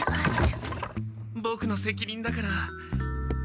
ボクのせきにんだから。